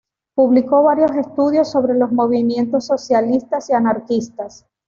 Publicó varios estudios sobre los movimientos socialistas y anarquistas.